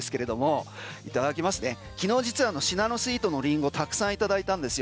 昨日実はシナノスイートのリンゴたくさんいただいたんですよ。